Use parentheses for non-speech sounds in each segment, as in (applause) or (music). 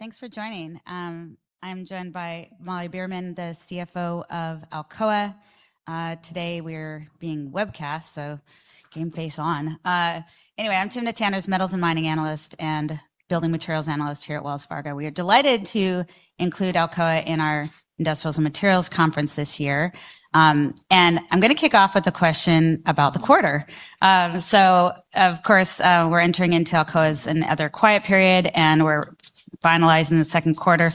Thanks for joining. I'm joined by Molly Beerman, the CFO of Alcoa. Today, we're being webcast, so game face on. Anyway, I'm Timna Tanners's Metals and Mining analyst and Building Materials analyst here at Wells Fargo. We are delighted to include Alcoa in our Industrials and Materials Conference this year. I'm going to kick off with a question about the quarter. Of course, we're entering into Alcoa's other quiet period, and we're finalizing the second quarter.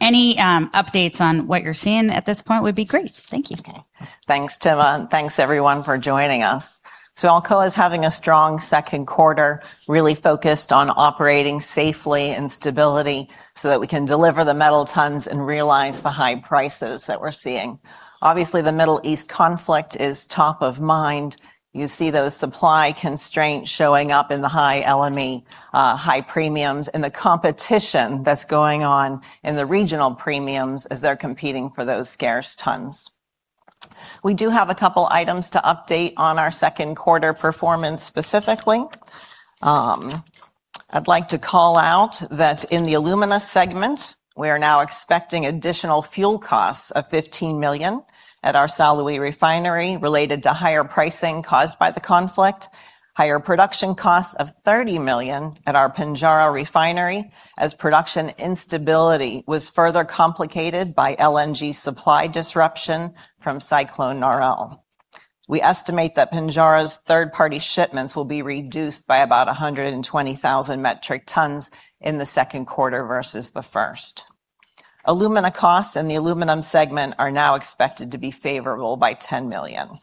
Any updates on what you're seeing at this point would be great. Thank you. Okay. Thanks, Timna. Thanks, everyone, for joining us. Alcoa's having a strong second quarter, really focused on operating safely and stability so that we can deliver the metal tons and realize the high prices that we're seeing. Obviously, the Middle East conflict is top of mind. You see those supply constraints showing up in the high LME, high premiums, and the competition that's going on in the regional premiums as they're competing for those scarce tons. We do have a couple items to update on our second quarter performance, specifically. I'd like to call out that in the alumina segment, we are now expecting additional fuel costs of $15 million at our São Luís refinery related to higher pricing caused by the conflict, higher production costs of $30 million at our Pinjarra refinery, as production instability was further complicated by LNG supply disruption from Cyclone Laurel. We estimate that Pinjarra's third-party shipments will be reduced by about 120,000 metric tons in the second quarter versus the first. Alumina costs in the aluminum segment are now expected to be favorable by $10 million.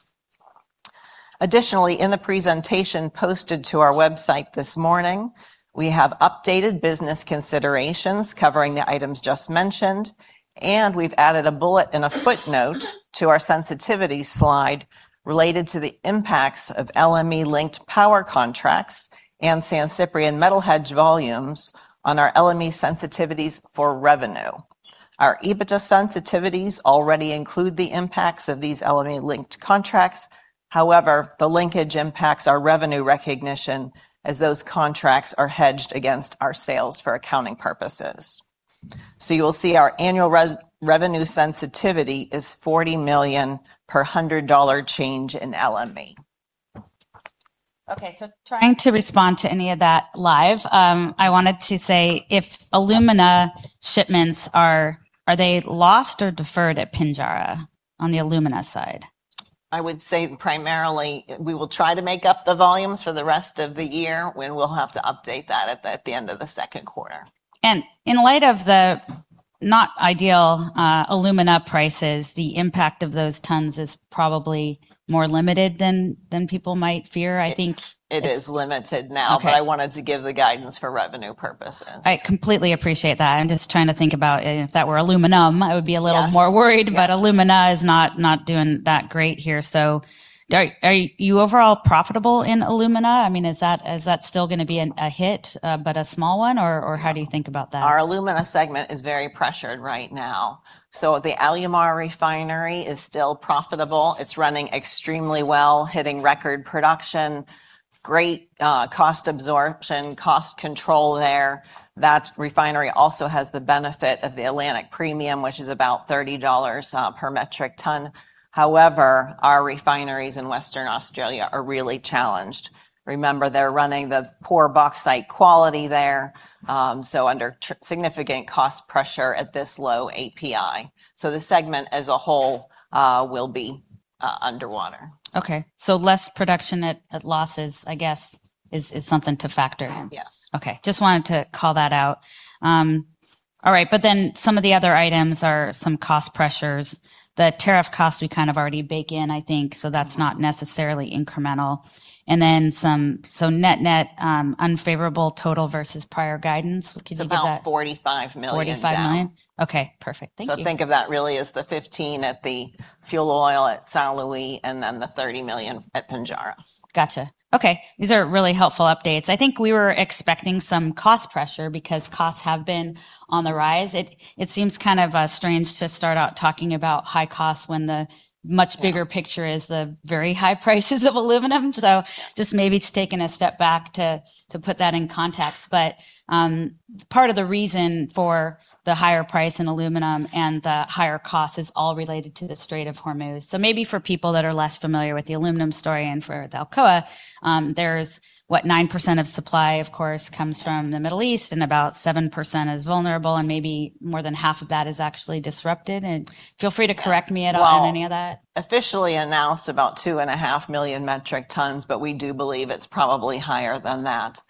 Additionally, in the presentation posted to our website this morning, we have updated business considerations covering the items just mentioned, and we've added a bullet and a footnote to our sensitivity slide related to the impacts of LME-linked power contracts and San Ciprián metal hedge volumes on our LME sensitivities for revenue. Our EBITDA sensitivities already include the impacts of these LME-linked contracts. However, the linkage impacts our revenue recognition as those contracts are hedged against our sales for accounting purposes. You'll see our annual revenue sensitivity is $40 million per $100 change in LME. Okay. Trying to respond to any of that live, I wanted to say, if alumina shipments, are they lost or deferred at Pinjarra on the alumina side? I would say primarily, we will try to make up the volumes for the rest of the year, and we'll have to update that at the end of the second quarter. In light of the not ideal alumina prices, the impact of those tons is probably more limited than people might fear, I think. It is limited now. I wanted to give the guidance for revenue purposes. Okay. I completely appreciate that. I'm just trying to think about if that were aluminum, I would be a little more worried. Alumina is not doing that great here. Are you overall profitable in alumina? I mean, is that still going to be a hit, but a small one, or how do you think about that? Our alumina segment is very pressured right now. The Alumar refinery is still profitable. It's running extremely well, hitting record production, great cost absorption, cost control there. That refinery also has the benefit of the Atlantic premium, which is about $30 per metric ton. However, our refineries in Western Australia are really challenged. Remember, they're running the poor bauxite quality there, so under significant cost pressure at this low API. The segment as a whole will be underwater. Okay. Less production at losses, I guess is something to factor in. Yes. Okay. Just wanted to call that out. All right. Some of the other items are some cost pressures. The tariff costs we kind of already bake in, I think, so that's not necessarily incremental. Net unfavorable total versus prior guidance. Could you give that? It's about $45 million down. $45 million? Okay, perfect. Thank you. So, think of that really as the $15 at the fuel oil at São Luís and then the $30 million at Pinjarra. Got you. Okay. These are really helpful updates. I think we were expecting some cost pressure because costs have been on the rise. It seems kind of strange to start out talking about high costs when the much bigger picture is the very high prices of Aluminum. So, just maybe taking a step back to put that in context, but part of the reason for the higher price in Aluminum and the higher cost is all related to the Strait of Hormuz. So, maybe for people that are less familiar with the Aluminum story and for Alcoa, there's what 9% of supply, of course, comes from the Middle East, and about 7% is vulnerable, and maybe more than half of that is actually disrupted. Feel free to correct me at all on any of that. Well, officially announced about 2.5 million metric tons, we do believe it's probably higher than that.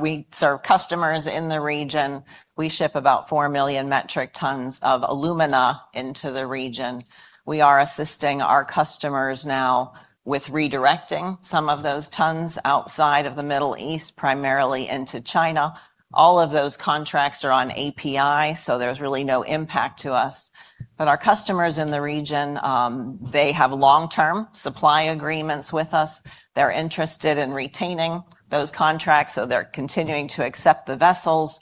We serve customers in the region. We ship about 4 million metric tons of Alumina into the region. We are assisting our customers now with redirecting some of those tons outside of the Middle East, primarily into China. All of those contracts are on API, there's really no impact to us. our customers in the region, they have long-term supply agreements with us. They're interested in retaining those contracts, they're continuing to accept the vessels.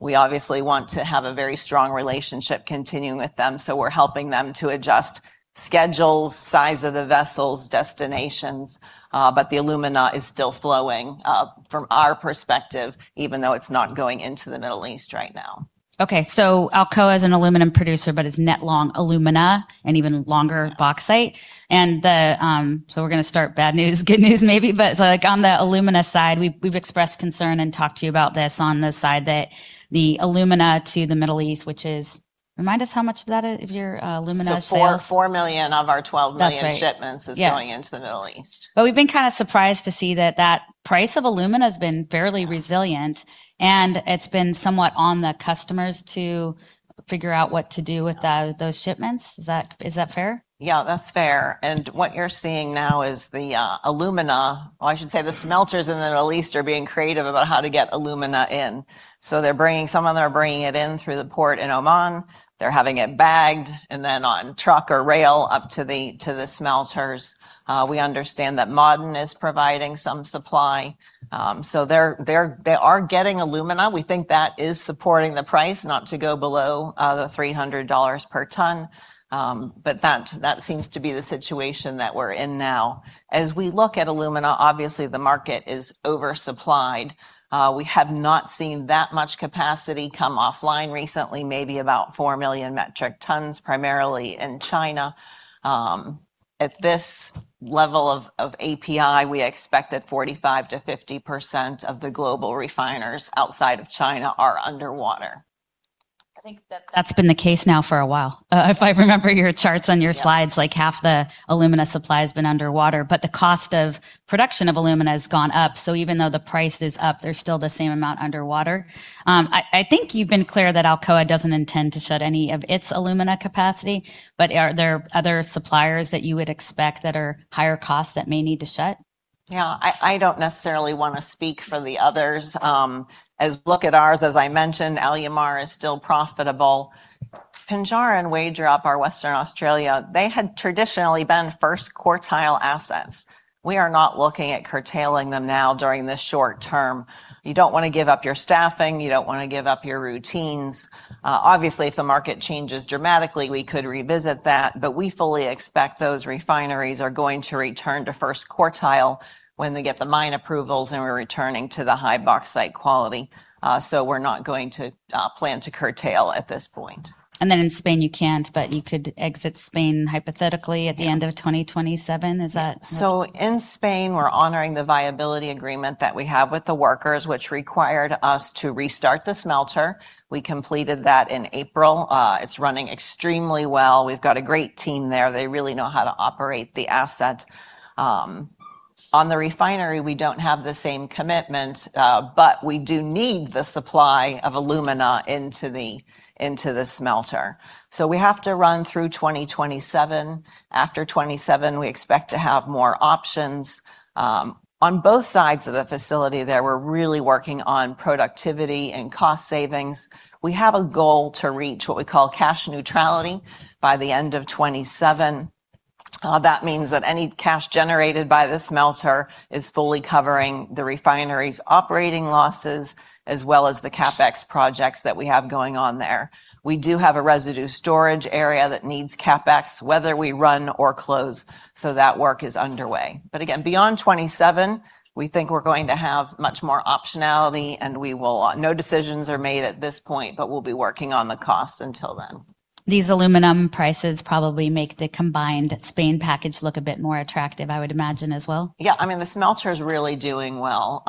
We obviously want to have a very strong relationship continuing with them, we're helping them to adjust schedules, size of the vessels, destinations. the Alumina is still flowing from our perspective, even though it's not going into the Middle East right now. Okay. Alcoa is an aluminum producer but is net long alumina and even longer bauxite. We're going to start bad news, good news maybe. On the alumina side, we've expressed concern and talked to you about this on the side that the alumina to the Middle East, which is, remind us how much of that of your alumina sales? 4 million of our 12 million shipments is going into the Middle East. That's right. Yeah. We've been kind of surprised to see that that price of alumina has been fairly resilient, and it's been somewhat on the customers to figure out what to do with those shipments. Is that fair? Yeah, that's fair. What you're seeing now is the alumina, or I should say, the smelters in the Middle East are being creative about how to get alumina in. Some of them are bringing it in through the port in Oman. They're having it bagged, and then on truck or rail up to the smelters. We understand that Ma'aden is providing some supply. They are getting alumina. We think that is supporting the price not to go below the $300 per ton. That seems to be the situation that we're in now. As we look at alumina, obviously, the market is oversupplied. We have not seen that much capacity come offline recently, maybe about 4 million metric tons, primarily in China. At this level of API, we expect that 45%-50% of the global refiners outside of China are underwater. I think that's been the case now for a while. If I remember your charts on your slides, like half the alumina supply has been underwater, but the cost of production of alumina has gone up. Even though the price is up, there's still the same amount underwater. I think you've been clear that Alcoa doesn't intend to shut any of its alumina capacity, but are there other suppliers that you would expect that are higher cost that may need to shut? I don't necessarily want to speak for the others. As look at ours, as I mentioned, Alumar is still profitable. Pinjarra and Wagerup are Western Australia. They had traditionally been first quartile assets. We are not looking at curtailing them now during this short term. You don't want to give up your staffing. You don't want to give up your routines. Obviously, if the market changes dramatically, we could revisit that, but we fully expect those refineries are going to return to first quartile when they get the mine approvals, and we're returning to the high bauxite quality. We're not going to plan to curtail at this point. In Spain, you can't, but you could exit Spain hypothetically at the end of 2027. Is that so? In Spain, we're honoring the viability agreement that we have with the workers, which required us to restart the smelter. We completed that in April. It's running extremely well. We've got a great team there. They really know how to operate the asset. On the refinery, we don't have the same commitment, but we do need the supply of alumina into the smelter. We have to run through 2027. After 2027, we expect to have more options. On both sides of the facility there, we're really working on productivity and cost savings. We have a goal to reach what we call cash neutrality by the end of 2027. That means that any cash generated by the smelter is fully covering the refinery's operating losses, as well as the CapEx projects that we have going on there. We do have a residue storage area that needs CapEx, whether we run or close. That work is underway. Again, beyond 2027, we think we're going to have much more optionality, and no decisions are made at this point, but we'll be working on the costs until then. These Aluminum prices probably make the combined Spain package look a bit more attractive, I would imagine, as well. Yeah. The smelter's really doing well.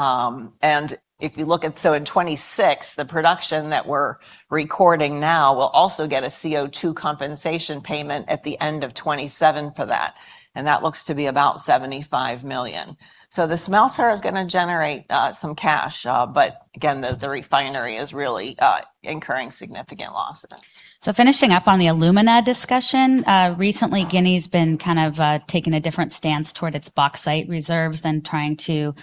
In 2026, the production that we're recording now will also get a CO2 compensation payment at the end of 2027 for that, and that looks to be about $75 million. The smelter is going to generate some cash. Again, the refinery is really incurring significant losses. Finishing up on the Alumina discussion. Recently, Guinea's been kind of taking a different stance toward its Bauxite reserves and trying to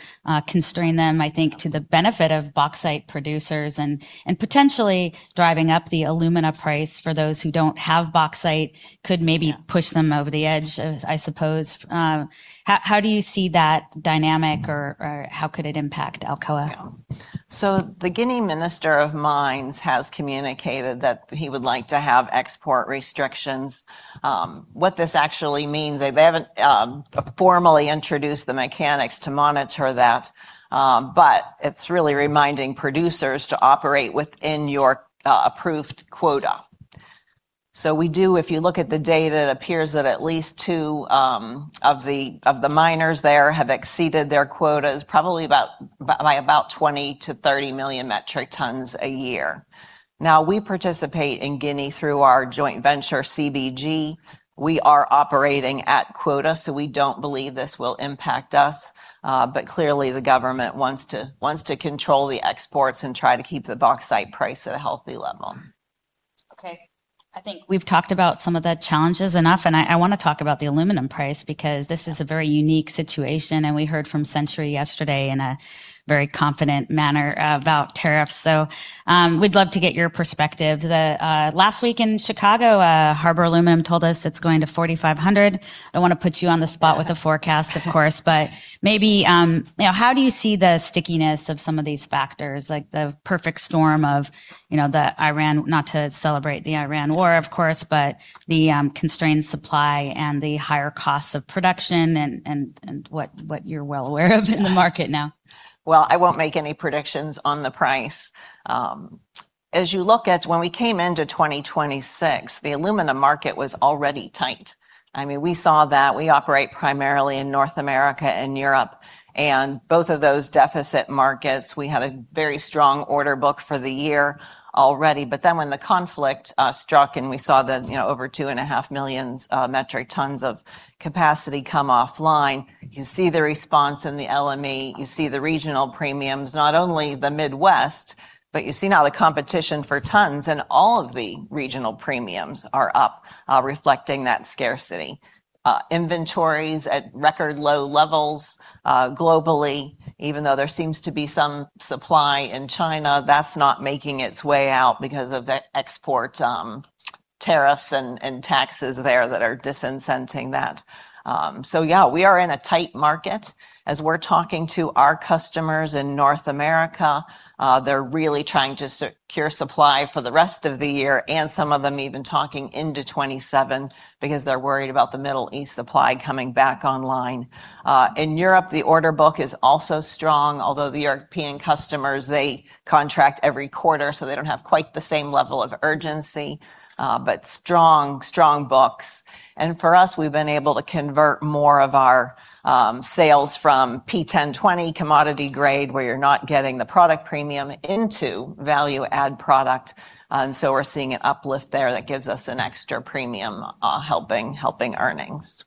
constrain them, I think, to the benefit of Bauxite producers and potentially driving up the Alumina price for those who don't have Bauxite. Could may be, push them over the edge, I suppose. How do you see that dynamic, or how could it impact Alcoa? The Guinea Minister of Mines has communicated that he would like to have export restrictions. What this actually means, they haven't formally introduced the mechanics to monitor that, but it's really reminding producers to operate within your approved quota. We do, if you look at the data, it appears that at least two of the miners there have exceeded their quotas, probably by about 20 million to 30 million metric tons a year. We participate in Guinea through our joint venture, CBG. We are operating at quota, we don't believe this will impact us. Clearly, the government wants to control the exports and try to keep the bauxite price at a healthy level. Okay. I think we've talked about some of the challenges enough. I want to talk about the aluminum price because this is a very unique situation. We heard from Century yesterday in a very confident manner about tariffs. We'd love to get your perspective. Last week in Chicago, HARBOR Aluminum told us it's going to $4,500. I don't want to put you on the spot with a forecast, of course. Maybe, how do you see the stickiness of some of these factors, like the perfect storm of the Iran, not to celebrate the Iran war, of course, but the constrained supply and the higher costs of production and what you're well aware of in the market now? Well, I won't make any predictions on the price. As you look at when we came into 2026, the aluminum market was already tight. We saw that. We operate primarily in North America and Europe. Both of those deficit markets, we had a very strong order book for the year already. When the conflict struck, we saw the over 2.5 million metric tons of capacity come offline, you see the response in the LME. You see the regional premiums, not only the Midwest, you see now the competition for tons, all of the regional premiums are up, reflecting that scarcity. Inventories at record low levels globally, even though there seems to be some supply in China. That's not making its way out because of the export tariffs and taxes there that are disincenting that. Yeah, we are in a tight market. We're talking to our customers in North America, they're really trying to secure supply for the rest of the year, and some of them even talking into 2027 because they're worried about the Middle East supply coming back online. In Europe, the order book is also strong, although the European customers, they contract every quarter, so they don't have quite the same level of urgency. Strong books. For us, we've been able to convert more of our sales from P1020 commodity grade, where you're not getting the product premium, into value-add product. We're seeing an uplift there that gives us an extra premium, helping earnings.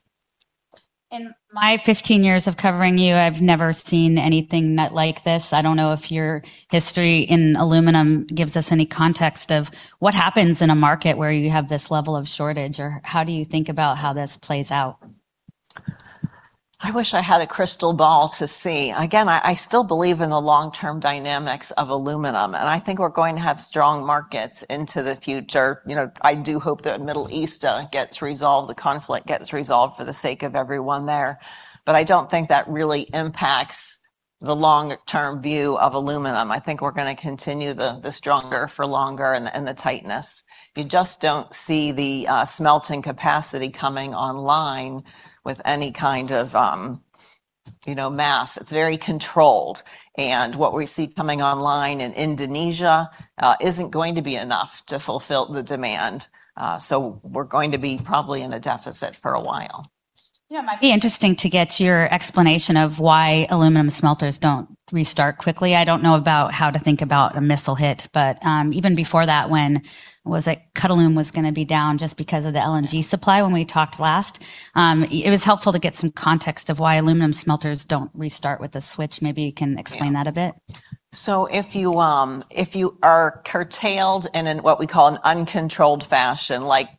In my 15 years of covering you, I've never seen anything like this. I don't know if your history in aluminum gives us any context of what happens in a market where you have this level of shortage, or how do you think about how this plays out? I wish I had a crystal ball to see. Again, I still believe in the long-term dynamics of aluminum, and I think we're going to have strong markets into the future. I do hope that Middle East gets resolved, the conflict gets resolved for the sake of everyone there. I don't think that really impacts the long-term view of aluminum. I think we're going to continue the stronger for longer and the tightness. You just don't see the smelting capacity coming online with any kind of mass. It's very controlled. What we see coming online in Indonesia isn't going to be enough to fulfill the demand. We're going to be probably in a deficit for a while. It might be interesting to get your explanation of why aluminum smelters don't restart quickly. I don't know about how to think about a missile hit, but even before that, when Qatalum was going to be down just because of the LNG supply when we talked last. It was helpful to get some context of why aluminum smelters don't restart with a switch. Maybe you can explain that a bit. If you are curtailed and in what we call an uncontrolled fashion, like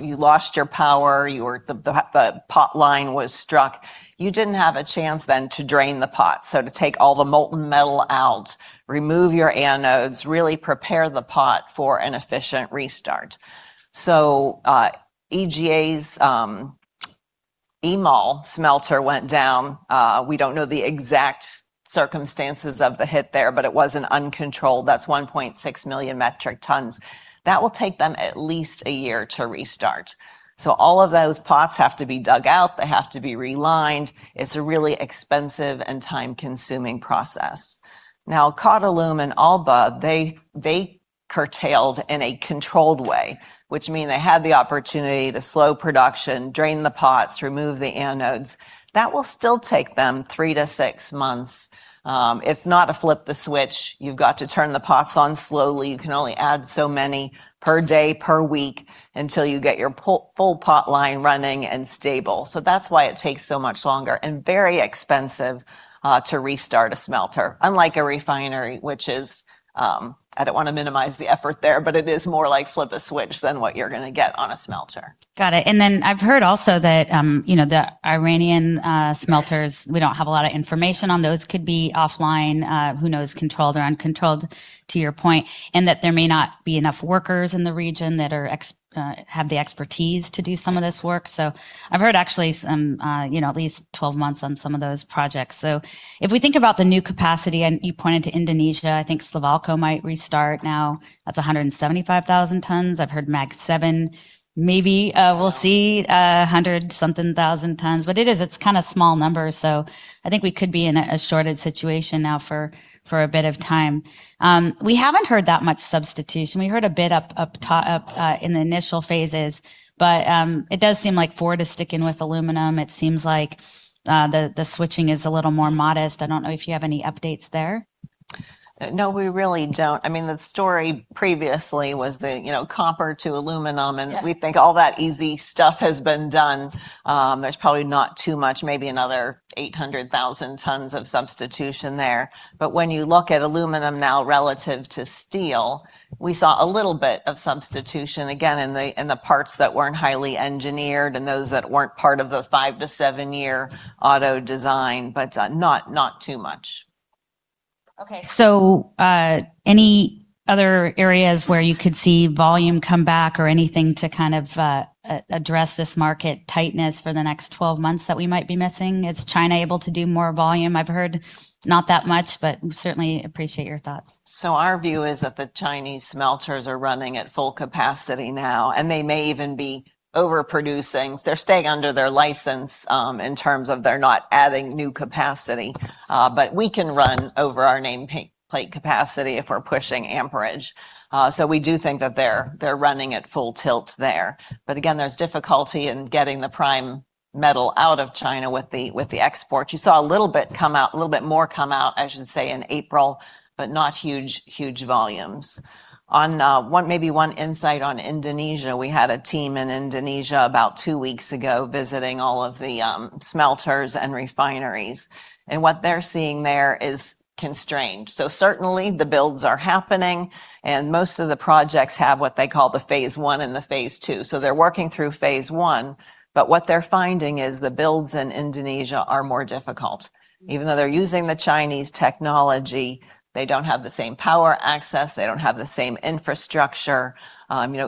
you lost your power, the potline was struck, you didn't have a chance then to drain the pot. To take all the molten metal out, remove your anodes, really prepare the pot for an efficient restart. EGA's EMAL smelter went down. We don't know the exact circumstances of the hit there, but it was an uncontrolled. That's 1.6 million metric tons. That will take them at least a year to restart. All of those pots have to be dug out. They have to be realigned. It's a really expensive and time-consuming process. Qatalum and ALBA, they curtailed in a controlled way, which mean they had the opportunity to slow production, drain the pots, remove the anodes. That will still take them three to six months. It's not a flip the switch. You've got to turn the pots on slowly. You can only add so many per day, per week, until you get your full potline running and stable. That's why it takes so much longer, and very expensive to restart a smelter. Unlike a refinery, which is I don't want to minimize the effort there, but it is more like flip a switch than what you're going to get on a smelter. Got it. Then I've heard also that the Iranian smelters, we don't have a lot of information on those, could be offline. Who knows? Controlled or uncontrolled to your point. That there may not be enough workers in the region that have the expertise to do some of this work. I've heard actually at least 12 months on some of those projects. If we think about the new capacity, and you pointed to Indonesia. I think Slovalco might restart now. That's 175,000 tons. I've heard Mag 7, maybe we'll see 100-something thousand tons. It is, it's small numbers. I think we could be in a shorted situation now for a bit of time. We haven't heard that much substitution. We heard a bit in the initial phases. It does seem like Ford is sticking with aluminum. It seems like the switching is a little more modest. I don't know if you have any updates there. No, we really don't. The story previously was the copper to aluminum. We think all that easy stuff has been done. There's probably not too much, maybe another 800,000 tons of substitution there. When you look at aluminum now relative to steel, we saw a little bit of substitution again in the parts that weren't highly engineered and those that weren't part of the five- to seven-year auto design, not too much. Okay. Any other areas where you could see volume come back or anything to address this market tightness for the next 12 months that we might be missing? Is China able to do more volume? I've heard not that much. Certainly appreciate your thoughts. Our view is that the Chinese smelters are running at full capacity now. They may even be overproducing. They're staying under their license in terms of they're not adding new capacity. We can run over our name plate capacity if we're pushing amperage. We do think that they're running at full tilt there. Again, there's difficulty in getting the prime metal out of China with the export. You saw a little bit more come out, I should say, in April, not huge volumes. Maybe one insight on Indonesia, we had a team in Indonesia about two weeks ago visiting all of the smelters and refineries. What they're seeing there is constrained. Certainly, the builds are happening. Most of the projects have what they call the phase one and the phase two. They're working through phase one, what they're finding is the builds in Indonesia are more difficult. Even though they're using the Chinese technology, they don't have the same power access, they don't have the same infrastructure.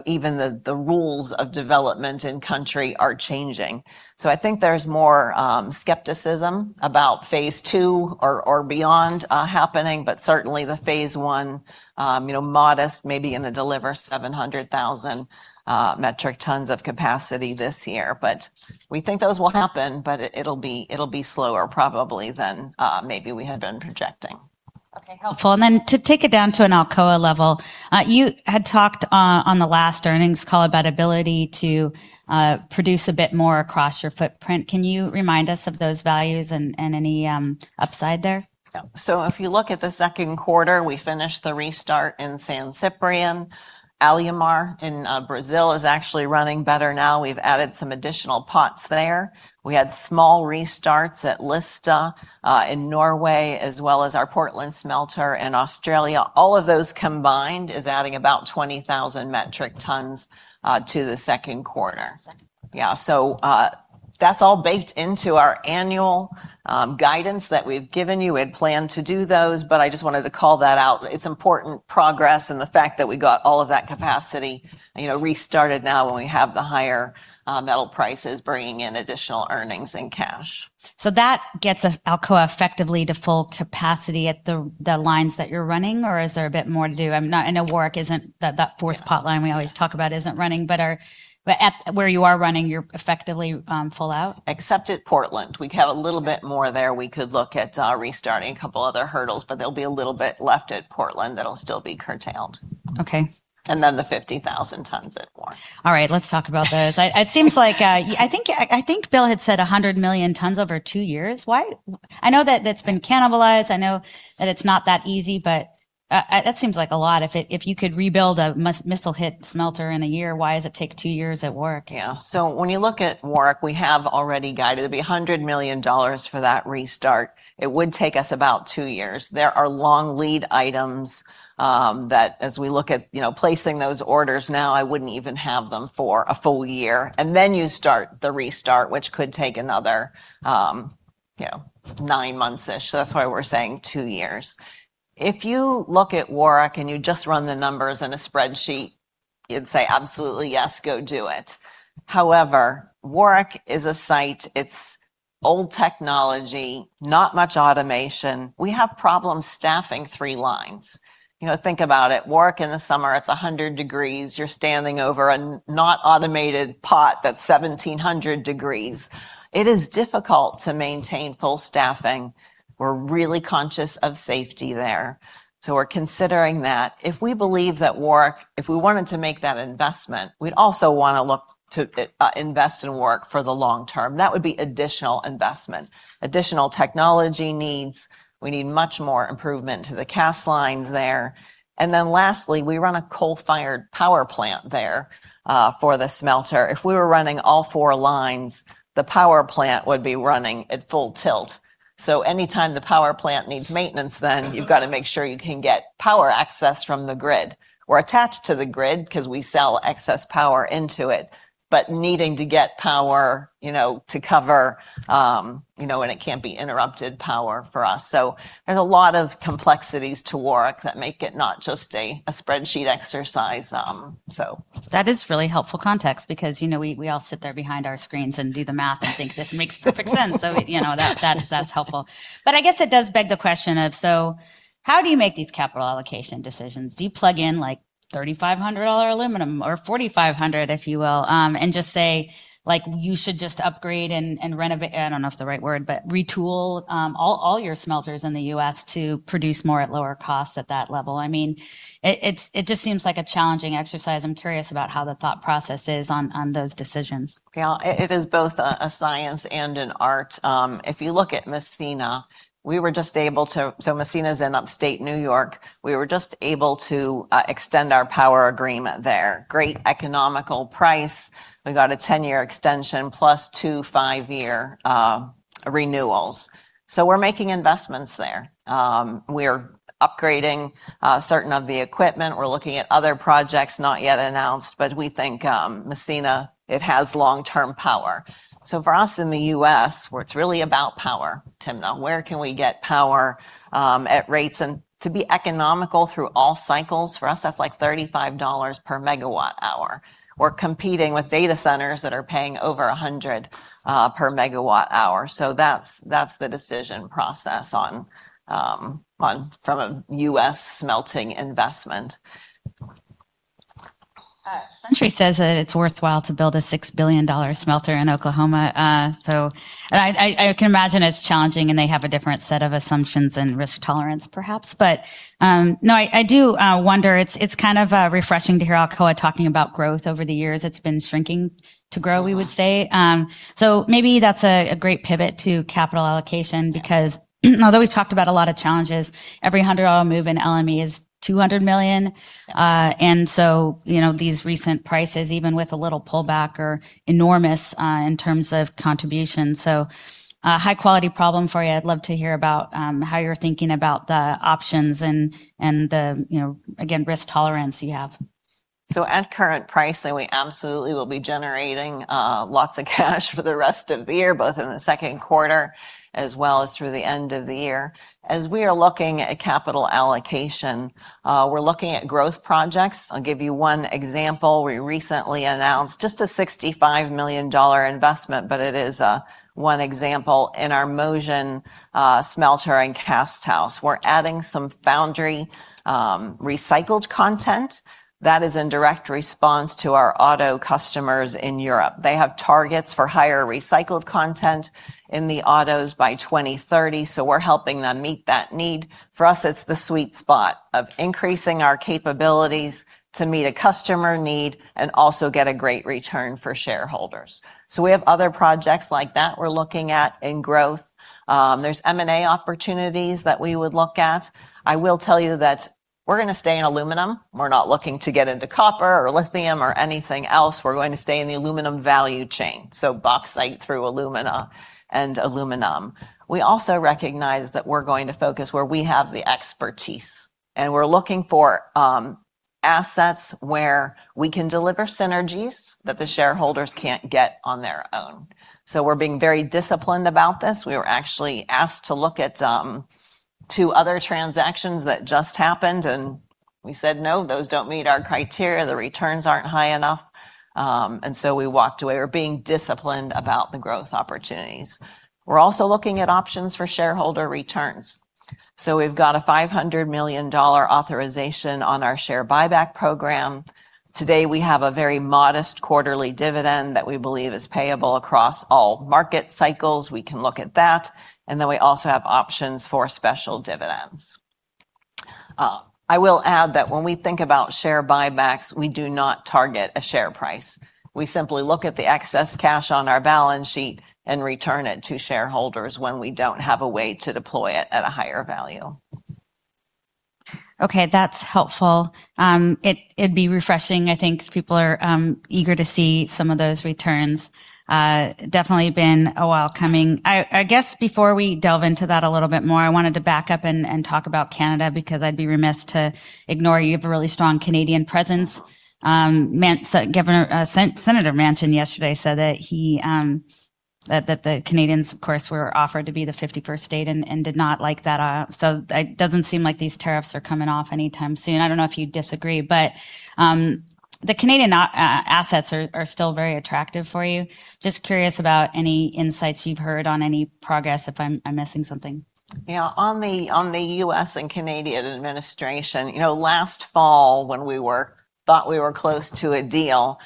Even the rules of development in country are changing. I think there's more skepticism about phase two or beyond happening, certainly the phase one, modest, maybe in the deliver 700,000 metric tons of capacity this year. We think those will happen, it'll be slower probably than maybe we had been projecting. Okay, helpful. To take it down to an Alcoa level, you had talked on the last earnings call about ability to produce a bit more across your footprint. Can you remind us of those values and any upside there? If you look at the second quarter, we finished the restart in San Ciprián. Alumar in Brazil is actually running better now. We've added some additional pots there. We had small restarts at Lista in Norway, as well as our Portland smelter in Australia. All of those combined is adding about 20,000 metric tons to the second quarter. Second. Yeah. That's all baked into our annual guidance that we've given you. We had planned to do those, I just wanted to call that out. It's important progress, the fact that we got all of that capacity restarted now when we have the higher metal prices bringing in additional earnings and cash. That gets Alcoa effectively to full capacity at the lines that you're running, or is there a bit more to do? I know Warrick, that fourth pot line we always talk about isn't running, but where you are running, you're effectively full out? Except at Portland. We have a little bit more there. We could look at restarting a couple other hurdles, but there'll be a little bit left at Portland that'll still be curtailed. Okay. The 50,000 tons at Warrick. All right. Let's talk about those. I think Bill had said 100 million tons over two years. I know that that's been cannibalized. I know that it's not that easy, but that seems like a lot. If you could rebuild a missile-hit smelter in one year, why does it take two years at Warrick? When you look at Warrick, we have already guided. It will be $100 million for that restart. It would take us about two years. There are long lead items that as we look at placing those orders now, I would not even have them for a full year. You start the restart, which could take another nine months-ish. That is why we are saying two years. If you look at Warrick and you just run the numbers in a spreadsheet, you would say, "Absolutely, yes. Go do it." However, Warrick is a site. It is old technology, not much automation. We have problems staffing three lines. Think about it. Warrick in the summer, it is 100 degrees. You are standing over a not automated pot that is 1,700 degrees. It is difficult to maintain full staffing. We are really conscious of safety there. We are considering that. If we believe that Warrick, if we wanted to make that investment, we would also want to look to invest in Warrick for the long term. That would be additional investment. Additional technology needs. We need much more improvement to the cast lines there. Lastly, we run a coal-fired power plant there for the smelter. If we were running all four lines, the power plant would be running at full tilt. Anytime the power plant needs maintenance, you have got to make sure you can get power access from the grid. We are attached to the grid because we sell excess power into it. Needing to get power to cover, and it cannot be interrupted power for us. There is a lot of complexities to Warrick that make it not just a spreadsheet exercise. That is really helpful context because we all sit there behind our screens and do the math and think this makes perfect sense. That is helpful. I guess it does beg the question of, how do you make these capital allocation decisions? Do you plug in $3,500 aluminum or $4,500, if you will, and just say, "You should just upgrade and renovate," I do not know if it is the right word, but retool all your smelters in the U.S. to produce more at lower costs at that level? It just seems like a challenging exercise. I am curious about how the thought process is on those decisions. It is both a science and an art. If you look at Massena is in Upstate New York. We were just able to extend our power agreement there. Great economical price. We got a 10-year extension plus two five-year renewals. We are making investments there. We are upgrading certain of the equipment. We are looking at other projects not yet announced, but we think Massena, it has long-term power. For us in the U.S., where it is really about power, Timna. Where can we get power at rates and to be economical through all cycles? For us, that is $35 per MWh. We are competing with data centers that are paying over 100 per MWh. That is the decision process from a U.S. smelting investment. It's worthwhile to build a $6 billion smelter in. (inaudible) I can imagine it's challenging, and they have a different set of assumptions and risk tolerance, perhaps. No, I do wonder. It's kind of refreshing to hear Alcoa talking about growth. Over the years, it's been shrinking to grow, we would say. Maybe that's a great pivot to capital allocation because although we've talked about a lot of challenges, every $100 move in LME is $200 million. These recent prices, even with a little pullback, are enormous in terms of contribution. A high-quality problem for you. I'd love to hear about how you're thinking about the options and the, again, risk tolerance you have. At current pricing, we absolutely will be generating lots of cash for the rest of the year, both in the second quarter as well as through the end of the year. As we are looking at capital allocation, we're looking at growth projects. I'll give you one example. We recently announced just a $65 million investment, but it is one example in our Mosjøen smelter and cast house. We're adding some foundry recycled content that is in direct response to our auto customers in Europe. They have targets for higher recycled content in the autos by 2030, we're helping them meet that need. For us, it's the sweet spot of increasing our capabilities to meet a customer need and also get a great return for shareholders. We have other projects like that we're looking at in growth. There's M&A opportunities that we would look at. I will tell you that we're going to stay in aluminum. We're not looking to get into copper or lithium or anything else. We're going to stay in the aluminum value chain, bauxite through alumina and aluminum. We also recognize that we're going to focus where we have the expertise, and we're looking for assets where we can deliver synergies that the shareholders can't get on their own. We're being very disciplined about this. We were actually asked to look at two other transactions that just happened, and we said, "No, those don't meet our criteria. The returns aren't high enough." We walked away. We're being disciplined about the growth opportunities. We're also looking at options for shareholder returns. We've got a $500 million authorization on our share buyback program. Today, we have a very modest quarterly dividend that we believe is payable across all market cycles. We can look at that, we also have options for special dividends. I will add that when we think about share buybacks, we do not target a share price. We simply look at the excess cash on our balance sheet and return it to shareholders when we don't have a way to deploy it at a higher value. Okay, that's helpful. It'd be refreshing. I think people are eager to see some of those returns. Definitely been a while coming. Before we delve into that a little bit more, I wanted to back up and talk about Canada, because I'd be remiss to ignore you have a really strong Canadian presence. Senator Manchin yesterday said that the Canadians, of course, were offered to be the 51st state and did not like that. It doesn't seem like these tariffs are coming off anytime soon. I don't know if you disagree, the Canadian assets are still very attractive for you. Just curious about any insights you've heard on any progress, if I'm missing something. On the U.S. and Canadian administration, last fall, when we thought we were close to a deal,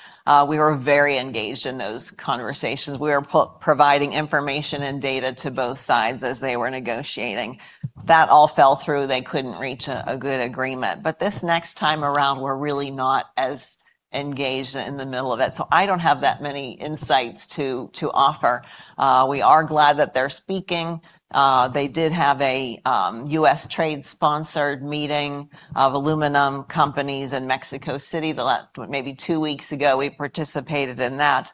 we were very engaged in those conversations. We were providing information and data to both sides as they were negotiating. That all fell through. They couldn't reach a good agreement. This next time around, we're really not as engaged in the middle of it. I don't have that many insights to offer. We are glad that they're speaking. They did have a U.S. Trade-sponsored meeting of aluminum companies in Mexico City maybe two weeks ago. We participated in that.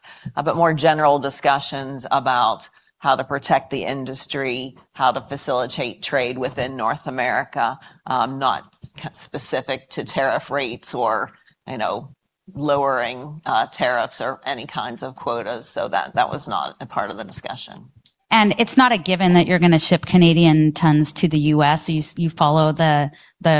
More general discussions about how to protect the industry, how to facilitate trade within North America. Not specific to tariff rates or lowering tariffs or any kinds of quotas. That was not a part of the discussion. It's not a given that you're going to ship Canadian tons to the U.S. You follow the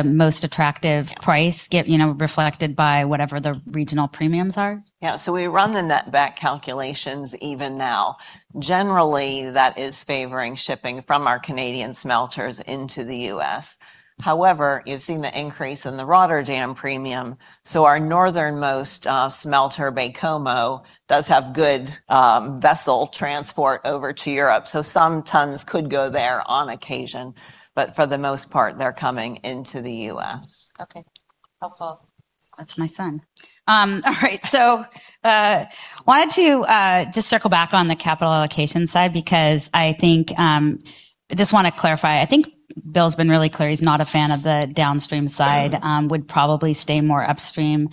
most attractive price, reflected by whatever the regional premiums are? Yeah. We run the net-back calculations even now. Generally, that is favoring shipping from our Canadian smelters into the U.S. However, you've seen the increase in the Rotterdam premium, our northernmost smelter, Baie-Comeau, does have good vessel transport over to Europe, some tons could go there on occasion. For the most part, they're coming into the U.S. Okay. Helpful. That's my son. All right. Wanted to just circle back on the capital allocation side, I just want to clarify, I think Bill's been really clear. He's not a fan of the downstream side. Would probably stay more upstream.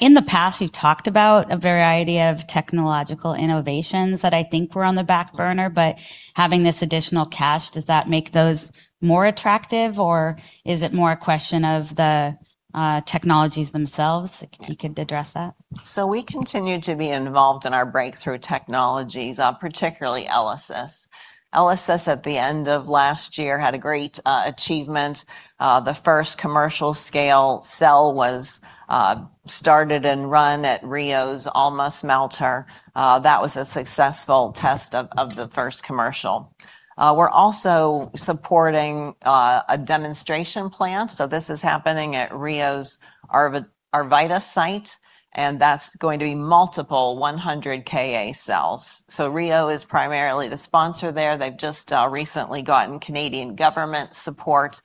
In the past, we've talked about a variety of technological innovations that I think were on the back burner. Having this additional cash, does that make those more attractive, or is it more a question of the technologies themselves? If you could address that. We continue to be involved in our breakthrough technologies, particularly ELYSIS at the end of last year had a great achievement. The first commercial scale cell was started and run at Rio's Alma smelter. That was a successful test of the first commercial. We're also supporting a demonstration plant. This is happening at Rio's Arvida site, and that's going to be multiple 100KA cells. Rio is primarily the sponsor there. They've just recently gotten Canadian government support.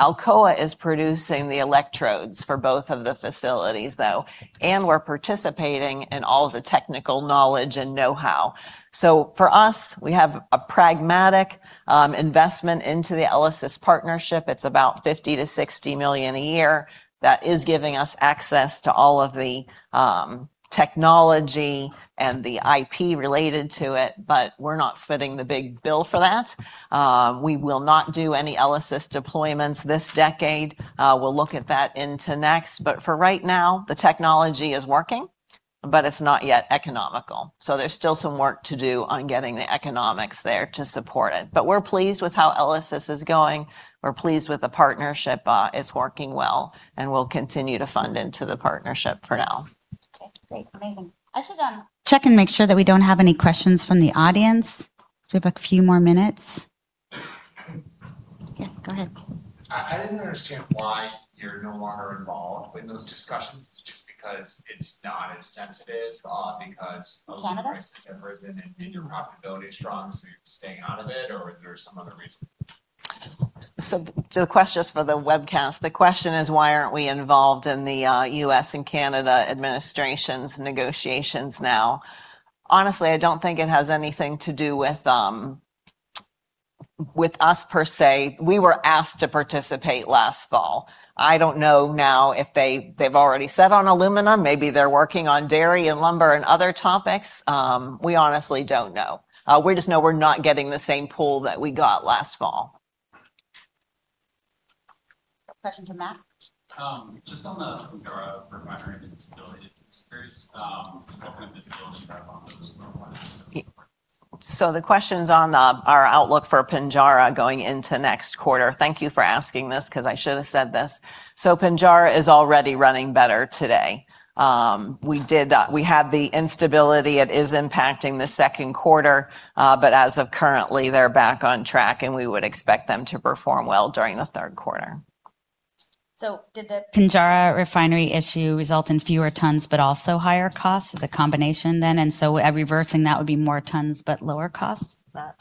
Alcoa is producing the electrodes for both of the facilities, though, and we're participating in all of the technical knowledge and know-how. For us, we have a pragmatic investment into the ELYSIS partnership. It's about $50 million-$60 million a year. That is giving us access to all of the technology and the IP related to it, but we're not footing the big bill for that. We will not do any ELYSIS deployments this decade. We'll look at that into next. For right now, the technology is working, but it's not yet economical. There's still some work to do on getting the economics there to support it. We're pleased with how ELYSIS is going. We're pleased with the partnership. It's working well, and we'll continue to fund into the partnership for now. Okay, great. Amazing. I should check and make sure that we don't have any questions from the audience, because we have a few more minutes. Yeah, go ahead. I didn't understand why you're no longer involved in those discussions. Is it just because it's not as sensitive? Canada? Because Aluminum prices have risen and your profitability is strong, so you're staying out of it or is there some other reason? The question is for the webcast. The question is, why aren't we involved in the U.S. and Canada administrations negotiations now? Honestly, I don't think it has anything to do with us, per se. We were asked to participate last fall. I don't know now if they've already set on Aluminum. Maybe they're working on dairy and lumber and other topics. We honestly don't know. We just know we're not getting the same pull that we got last fall. Question to Matt. Just on the Pinjarra refinery instability experience, what kind of visibility can you provide on those going forward? The question's on our outlook for Pinjarra going into next quarter. Thank you for asking this, because I should have said this. Pinjarra is already running better today. We had the instability. It is impacting the second quarter, but as of currently, they're back on track, and we would expect them to perform well during the third quarter. Did the Pinjarra refinery issue result in fewer tons but also higher costs? Is it combination, then? Reversing that would be more tons but lower costs? Is that?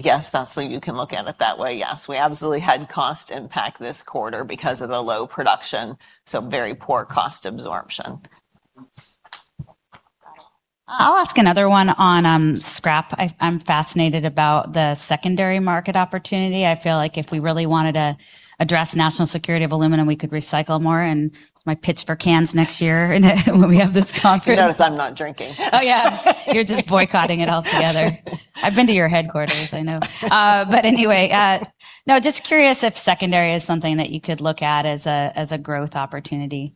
Yes, you can look at it that way, yes. We absolutely had cost impact this quarter because of the low production, so very poor cost absorption. Got it. I'll ask another one on scrap. I'm fascinated about the secondary market opportunity. I feel like if we really wanted to address national security of aluminum, we could recycle more, and it's my pitch for cans next year when we have this conversation. You notice I'm not drinking. Oh, yeah. You're just boycotting it altogether. I've been to your headquarters, I know. Anyway, no, just curious if secondary is something that you could look at as a growth opportunity.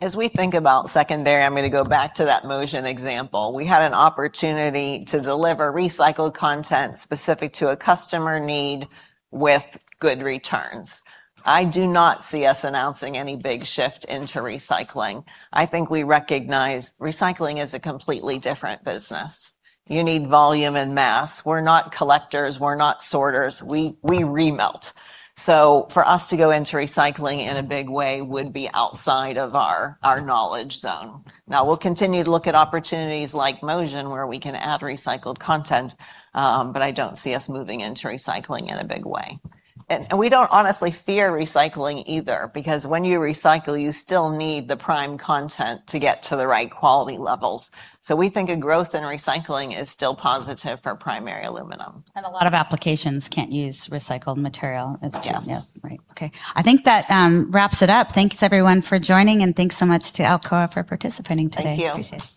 As we think about secondary, I'm going to go back to that Mosjøen example. We had an opportunity to deliver recycled content specific to a customer need with good returns. I do not see us announcing any big shift into recycling. I think we recognize recycling is a completely different business. You need volume and mass. We're not collectors. We're not sorters. We re-melt. For us to go into recycling in a big way would be outside of our knowledge zone. Now, we'll continue to look at opportunities like Mosjøen, where we can add recycled content, but I don't see us moving into recycling in a big way. We don't honestly fear recycling either, because when you recycle, you still need the prime content to get to the right quality levels. We think a growth in recycling is still positive for primary aluminum. A lot of applications can't use recycled material. Yes. Right. Okay. I think that wraps it up. Thanks everyone for joining and thanks so much to Alcoa for participating today. Thank you. Appreciate it.